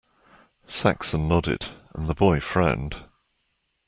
Saxon nodded, and the boy frowned.